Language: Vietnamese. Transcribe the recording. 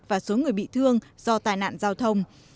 và số người bị thương do tai nạn giao thông